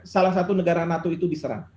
salah satu negara nato itu diserang